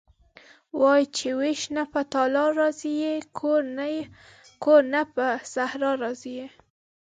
وايي چې وېش نه په تالا راضي یې کور نه په صحرا راضي یې..